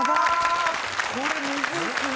これむずいっすね。